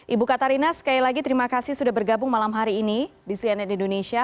ibu katarina sekali lagi terima kasih sudah bergabung malam hari ini di cnn indonesia